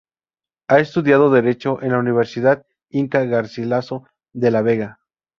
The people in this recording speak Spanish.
Ha estudiado derecho en la Universidad Inca Garcilaso de la Vega.